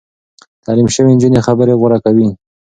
تعليم شوې نجونې خبرې غوره کوي.